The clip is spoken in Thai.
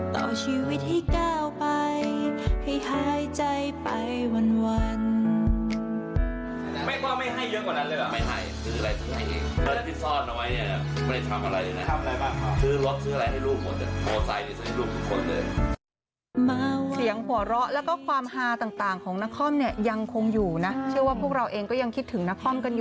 เอาชีวิตให้ก้าวไปให้หายใจไปวัน